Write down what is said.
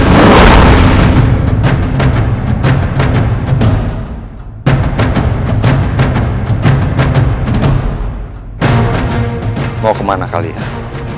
mau kemana kalian